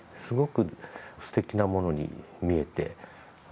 すごくすてきなものに見えて。